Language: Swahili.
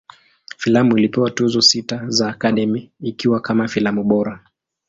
Filamu ilipewa Tuzo sita za Academy, ikiwa kama filamu bora.